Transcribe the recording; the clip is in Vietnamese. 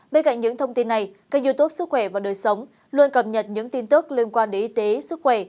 bên cạnh những thông tin này kênh youtube sức khỏe và đời sống luôn cập nhật những tin tức liên quan đến y tế sức khỏe